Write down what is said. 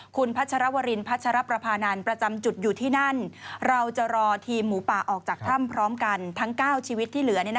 คุณพัชรวรินพัชรประพานันทร์ประจำจุดอยู่ที่นั่นเราจะรอทีมหมูป่าออกจากถ้ำพร้อมกันทั้ง๙ชีวิตที่เหลือ